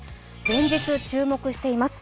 連日注目しています。